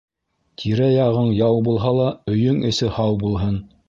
Тирә-яғың яу булһа ла, өйөң эсе һау булһын.